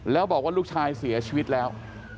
แล้วบอกว่าลูกชายเสียชีวิตแล้ว